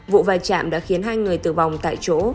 vụ vai chạm đã khiến hai người tử vong tại chỗ